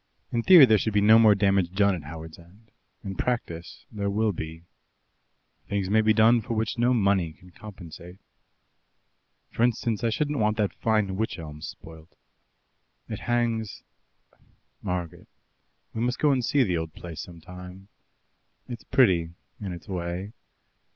In theory there should be no more damage done at Howards End; in practice there will be. Things may be done for which no money can compensate. For instance, I shouldn't want that fine wych elm spoilt. It hangs Margaret, we must go and see the old place some time. It's pretty in its way.